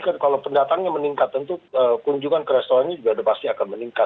kalau pendatangnya meningkat tentu kunjungan ke restorannya juga pasti akan meningkat